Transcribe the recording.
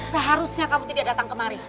seharusnya kamu tidak datang kemari